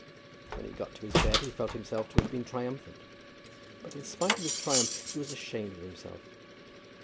When he got to his bed he felt himself to have been triumphant, but in spite of his triumph he was ashamed of himself.